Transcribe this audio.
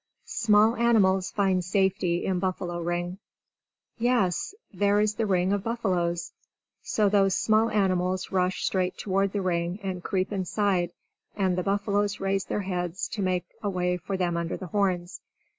Small Animals Find Safety in Buffalo Ring Yes, there is the ring of buffaloes! So those small animals rush straight toward the ring and creep inside and the buffaloes raise their heads to make a way for them under the horns.